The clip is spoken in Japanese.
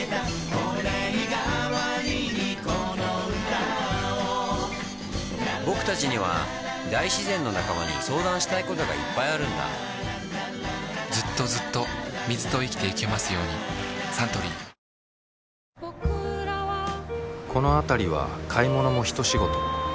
御礼がわりにこの歌をぼくたちには大自然の仲間に相談したいことがいっぱいあるんだずっとずっと水と生きてゆけますようにサントリーを教えてもらいます